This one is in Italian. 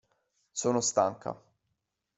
Sono stanca.